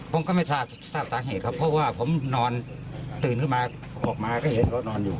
ผมก็ไม่ทราบสาเหตุครับเพราะว่าผมนอนตื่นขึ้นมาออกมาก็เห็นเขานอนอยู่